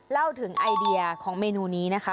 เล่าถึงไอเดียของเมนูนี้นะคะ